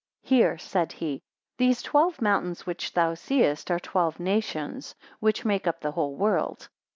162 Hear, said he; These twelve mountains which thou seest, are twelve nations, which make up the whole world.